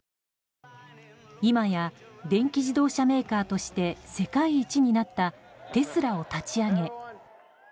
今や電気自動車メーカーとして世界一となったテスラを立ち上げ